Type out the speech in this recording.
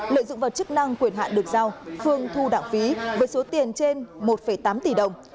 lợi dụng vào chức năng quyền hạn được giao phương thu đảng phí với số tiền trên một tám tỷ đồng